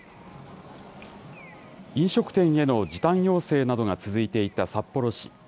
飲食店への時短要請などが続いていた札幌市。